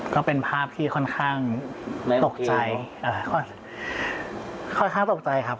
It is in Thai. ก็เป็นภาพที่ค่อนข้างตกใจค่อนข้างตกใจครับ